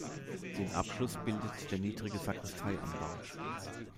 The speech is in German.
Den Abschluss bildet der niedrige Sakristeianbau.